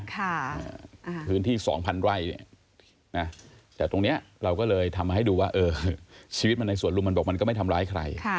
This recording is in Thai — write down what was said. พื้นที่สองพันไร่เนี่ยนะแต่ตรงนี้เราก็เลยทำให้ดูว่าเออชีวิตมันในสวนลุมมันบอกมันก็ไม่ทำร้ายใคร